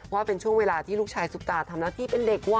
ว่าเป็นช่วงเวลาที่ลูกชายซุปตาทำหน้าที่เป็นเด็กว่